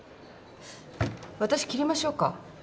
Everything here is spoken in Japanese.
私切りましょうか？